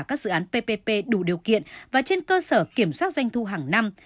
các dự án ppp đủ điều kiện và trên cơ sở kiểm soát doanh thu hàng năm